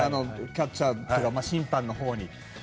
キャッチャーとか審判のほうに。